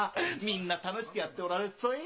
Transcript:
みんな楽しくやっでおられっつぉい。